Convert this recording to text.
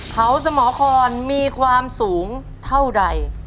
เขาสมครมีความสูงเท่าใด